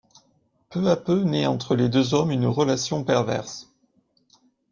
Peu à peu naît entre les deux hommes une relation perverse.